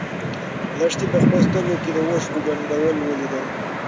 لښتې په خپلو سترګو کې د اوښکو ډنډول ولیدل.